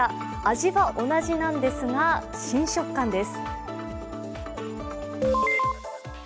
味は同じなんですが、新食感です。